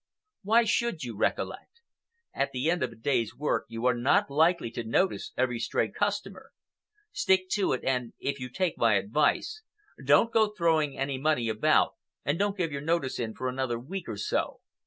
Why should you recollect? At the end of a day's work you are not likely to notice every stray customer. Stick to it, and, if you take my advice, don't go throwing any money about, and don't give your notice in for another week or so.